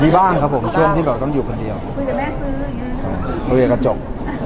มีบ้างครับผมช่วงที่แบบต้องอยู่คนเดียวคุยกับแม่ซื้ออย่างเงี้ใช่คุยกับกระจก